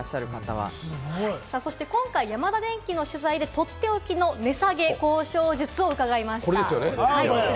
また今回、ヤマダデンキさんにとっておきの値下げ交渉術を伺いました。